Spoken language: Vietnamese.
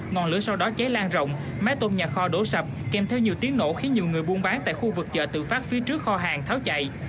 ngọn lửa sau đó cháy lan rộng mái tôn nhà kho đổ sập kèm theo nhiều tiếng nổ khiến nhiều người buôn bán tại khu vực chợ tự phát phía trước kho hàng tháo chạy